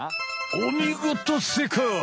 おみごとせいかい！